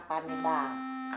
sampai kapan nih mbah